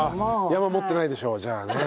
山持ってないでしょじゃあね。